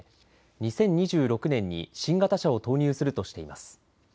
２０２６年に新型車を投入するとしています。